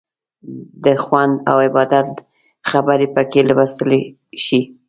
د خوند او عبادت خبرې پکې لوستلی شئ.